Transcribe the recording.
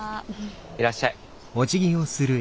いらっしゃい。